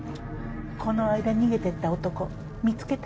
この間逃げてった男見つけた？